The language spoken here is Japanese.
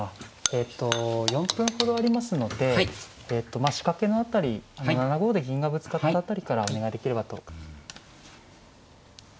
えと４分ほどありますので仕掛けの辺り７五で銀がぶつかった辺りからお願いできればと。